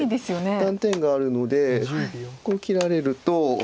断点があるのでこう切られると。